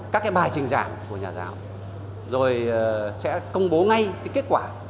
các bài trình giảng của nhà giáo rồi sẽ công bố ngay kết quả